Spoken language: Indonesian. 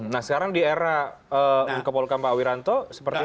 nah sekarang di era menko polkam pak wiranto seperti apa